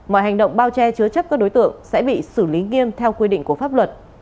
mọi hành động bao che chứa chấp các đối tượng sẽ bị xử lý nghiêm theo quy định của pháp luật